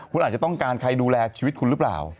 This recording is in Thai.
คุณอาจจะต้องการใครดูแลชีวิตคุณหรือเปล่า